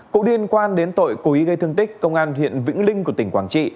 cụ điên quan đến tội cố ý gây thương tích công an huyện vĩnh linh của tỉnh quảng trị